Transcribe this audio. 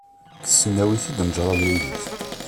Deg tesnawit i d-tenǧer abrid-is.